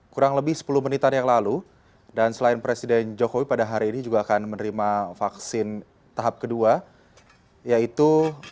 kurang lebih sepuluh menitan yang lalu dan selain presiden jokowi pada hari ini juga akan menerima vaksin tahap kedua yaitu